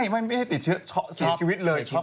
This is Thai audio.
ไม่ไม่ให้ติดเชื้อช็อกเสียชีวิตเลย